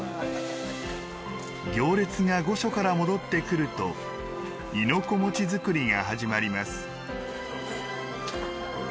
行列が御所から戻ってくると亥子餅作りが始まります。